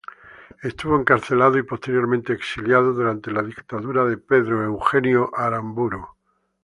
Estuvo encarcelado y posteriormente exiliado durante la dictadura de Pedro Eugenio Aramburu.